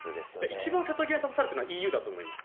一番瀬戸際に立たされているのはＥＵだと思います。